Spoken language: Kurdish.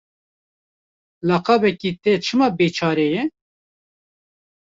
Laqabekî te çima bêçare ye?